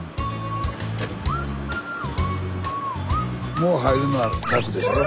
もう入るのは楽でしょう？